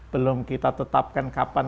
belum kita tetapkan kapan